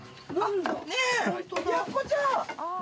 ねぇやっこちゃん！